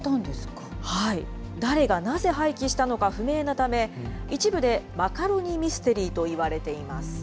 誰がなぜ廃棄したのか不明なため、一部でマカロニ・ミステリーといわれています。